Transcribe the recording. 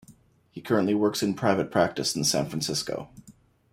He currently works in private practice in San Francisco.